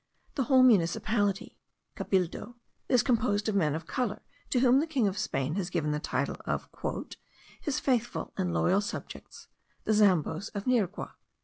The whole municipality (cabildo) is composed of men of colour to whom the king of Spain has given the title of "his faithful and loyal subjects, the Zamboes of Nirgua."